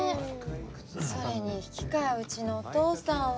それに引き換えうちのお父さんは。